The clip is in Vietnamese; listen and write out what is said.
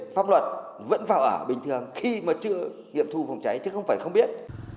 pháp luật vẫn vào ở bình thường khi mà chưa nghiệm thu phòng cháy chứ không phải không biết